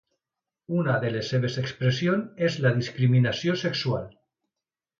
Una de les seves expressions és la discriminació sexual.